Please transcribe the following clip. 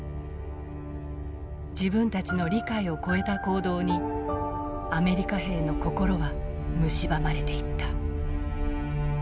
自分たちの理解を超えた行動にアメリカ兵の心はむしばまれていった。